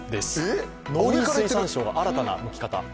農林水産省が新たなむき方。